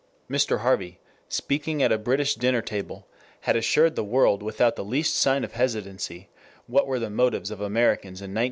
Mr. Harvey, speaking at a British dinner table, had assured the world without the least sign of hesitancy what were the motives of Americans in 1917.